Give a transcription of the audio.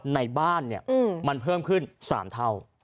ในบ้านมันเพิ่มขึ้น๓เท่า